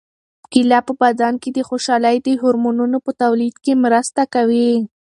کیله په بدن کې د خوشالۍ د هورمونونو په تولید کې مرسته کوي.